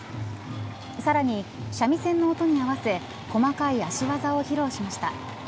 さらに、三味線の音に合わせ細かい足技を披露しました。